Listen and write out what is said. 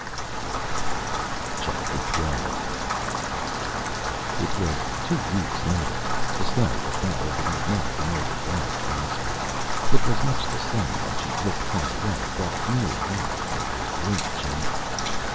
XII. It was two weeks later. Estelle looked out over the now familiar wild landscape. It was much the same when she looked far away, but near by there were great changes.